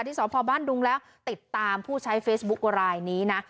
สพบ้านดุงแล้วติดตามผู้ใช้เฟซบุ๊คลายนี้นะ